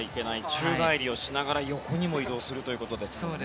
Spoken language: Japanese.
宙返りをしながら横にも移動するということですよね。